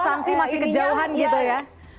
sanksi masih kejauhan gitu ya